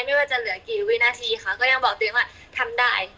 ไม่ว่าจะเหลือกี่วินาทีค่ะก็ยังบอกตัวเองว่าทำได้